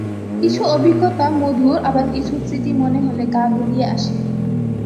কিছু অভিজ্ঞতা মধুর, আবার কিছু স্মৃতি মনে হলেই গা গুলিয়ে আসে।